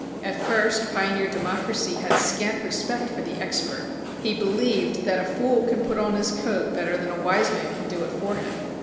At first pioneer democracy had scant respect for the expert. He believed that "a fool can put on his coat better than a wise man can do it for him."